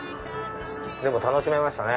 でも楽しめましたね。